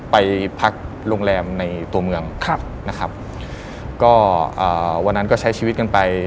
ไปพักโรงแรมในตัวเมืองครับนะครับก็อ่าวันนั้นก็ใช้ชีวิตกันไป